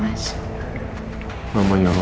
katanya mau ada yang bicara